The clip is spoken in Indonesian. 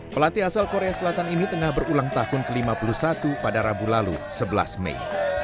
pelatih asal korea selatan ini tengah berulang tahun ke lima puluh satu pada rabu lalu sebelas mei